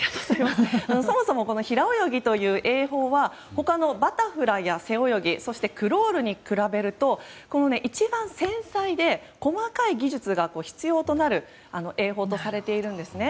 そもそも平泳ぎという泳法は他のバタフライや背泳ぎそしてクロールに比べると一番繊細で細かい技術が必要となる泳法とされているんですね。